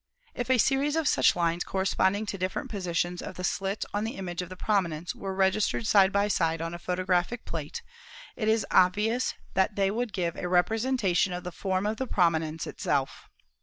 If a series of such lines corresponding to different positions of the slit on the image of the prominence were registered side by side on a photographic plate, it is obvious that they would give a representation of the form of the prominence itself.